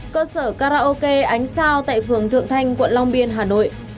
cơ sở karaoke ánh sao tại phường thượng thanh quận long biên hà nội